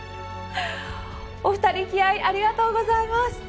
お二人気合ありがとうございます。